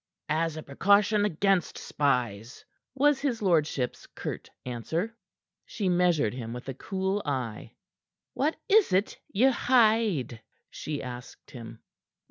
"As a precaution against spies," was his lordship's curt answer. She measured him with a cool eye. "What is't ye hide?" she asked him.